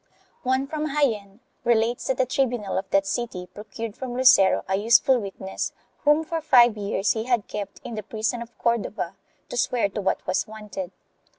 One from Jaen relates that the tribunal of that city procured from Lucero a useful witness whom for five years he had kept in the prison of Cordova to swear to what was wanted.